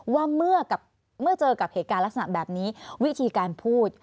ว่าเมื่อเจอกับเหตุการณ์ลักษณะแบบนี้วิธีการพูด